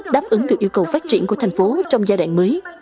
đáp ứng được yêu cầu phát triển của thành phố trong giai đoạn mới